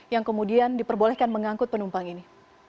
yang kemudian diperbolehkan mengangkut penumpang ini